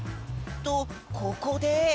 とここで。